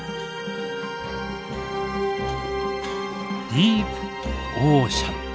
「ディープオーシャン」。